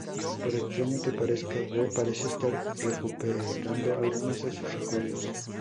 Por extraño que parezca, Goo parece estar recuperando algunos de sus recuerdos.